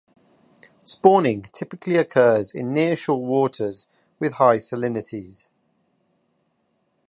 Spawning typically occurs in near-shore waters with high salinities.